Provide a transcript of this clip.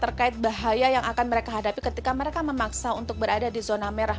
terkait bahaya yang akan mereka hadapi ketika mereka memaksa untuk berada di zona merah